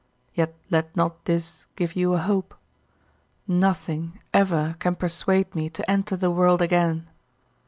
Yet let not this give you a hope. Nothing ever can persuade me to enter the world again.